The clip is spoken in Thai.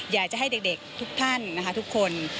อยากจะให้เด็กทุกท่านนะคะทุกคน